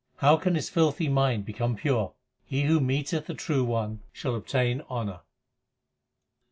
How can his filthy mind become pure ? He who meeteth the True One shall obtain honour.